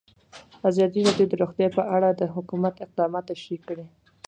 ازادي راډیو د روغتیا په اړه د حکومت اقدامات تشریح کړي.